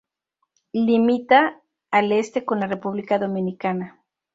Limita al este con la República Dominicana.